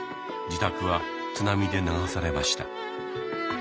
自宅は津波で流されました。